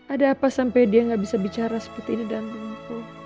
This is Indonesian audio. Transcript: ada apa sampai dia gak bisa bicara seperti ini dampingku